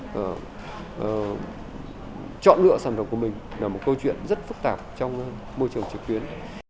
và chọn lựa sản phẩm của mình là một câu chuyện rất phức tạp trong môi trường trực tuyến